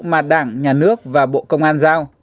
mà đảng nhà nước và bộ công an giao